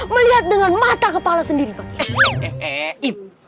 melihat dengan mata kepala sendiri pak